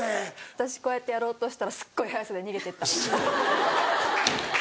私こうやってやろうとしたらすっごい速さで逃げてった。